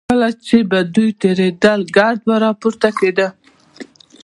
کله چې به دوی تېرېدل ګرد به راپورته کېده.